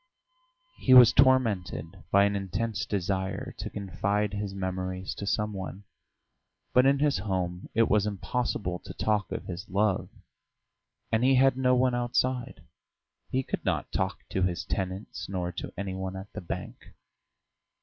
He was tormented by an intense desire to confide his memories to some one. But in his home it was impossible to talk of his love, and he had no one outside; he could not talk to his tenants nor to any one at the bank.